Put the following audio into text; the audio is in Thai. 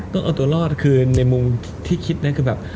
ต้องเอาตัวรอดคือในมุมที่คิดนั้นคือแบบ